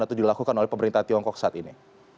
atau dilakukan oleh pemerintah tiongkok saat ini